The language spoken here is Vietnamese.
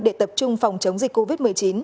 để tập trung phòng chống dịch covid một mươi chín